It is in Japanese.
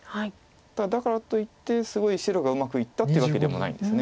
ただだからといってすごい白がうまくいったってわけでもないんです。